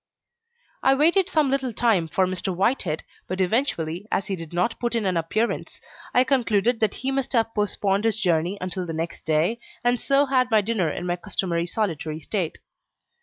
I waited some little time for Mr. Whitehead, but eventually, as he did not put in an appearance, I concluded that he must have postponed his journey until the next day, and so had my dinner in my customary solitary state.